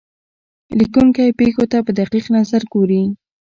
لیکونکی پېښو ته په دقیق نظر ګوري.